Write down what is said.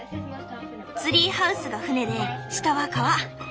ツリーハウスが船で下は川。